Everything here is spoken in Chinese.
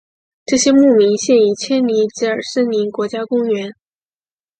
这些牧民现已迁离吉尔森林国家公园。